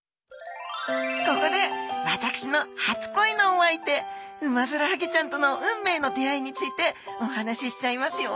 ここで私の初恋のお相手ウマヅラハギちゃんとの運命の出会いについてお話ししちゃいますよ！